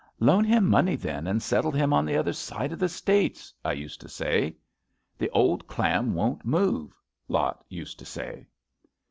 * Loan him money then and settle him on the other side of the States,' I used to say. * The old clam won't move,' Lot used to say."